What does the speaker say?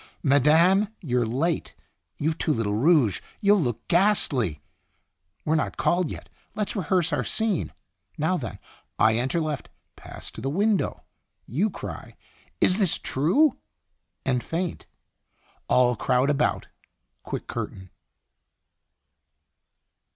Madame, you're late; you've too little rouge; you'll look ghastly. We're not called yet; let's rehearse our scene. Now, then, I enter left, pass to the window. You cry 'is this true?' and faint. All crowd about. Quick curtain."